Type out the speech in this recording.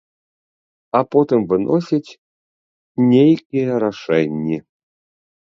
А потым выносіць нейкія рашэнні.